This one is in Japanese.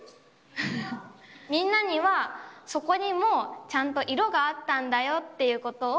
みんなには、そこにもちゃんと色があったんだよっていうことを、